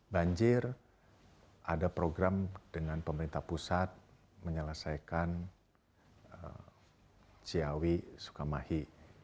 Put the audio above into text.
banjir ada program dengan pemerintah pusat menyelesaikan ciawi sukamahi